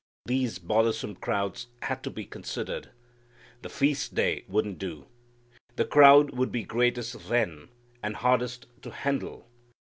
These bothersome crowds had to be considered. The feast day wouldn't do. The crowd would be greatest then, and hardest to handle.